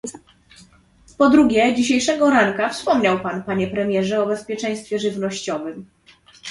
Po drugie, dzisiejszego ranka wspomniał pan, panie premierze, o bezpieczeństwie żywnościowym